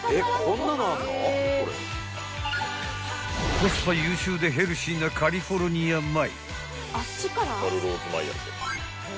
［コスパ優秀でヘルシーなカリフォルニア米］